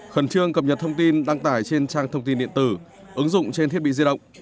khẩn trương cập nhật thông tin đăng tải trên trang thông tin điện tử ứng dụng trên thiết bị di động